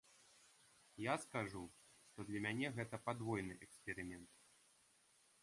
Я скажу, што для мяне гэта падвойны эксперымент.